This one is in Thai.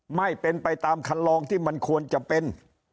ไม่เป็นไปตามคันลองที่มันควรจะเป็น